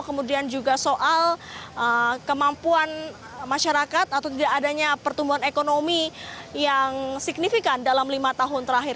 kemudian juga soal kemampuan masyarakat atau tidak adanya pertumbuhan ekonomi yang signifikan dalam lima tahun terakhir